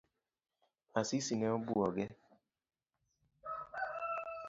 Asisi ne obuoge.